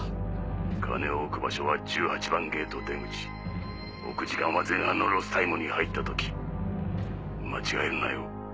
金を置く場所は１８番ゲート出口置く時間は前半のロスタイムに入った時間違えるなよ。